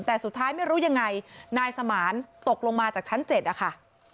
แต่สุดท้ายไม่รู้ยังไงนายสมานตกลงมาจากชั้น๗อะค่ะ